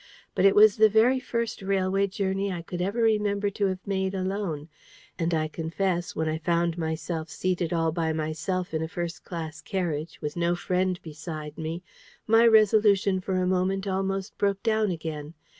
But it was the very first railway journey I could ever remember to have made alone; and I confess, when I found myself seated all by myself in a first class carriage, with no friend beside me, my resolution for a moment almost broke down again.